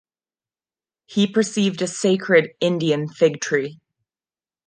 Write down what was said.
He perceived a sacred Indian fig-tree.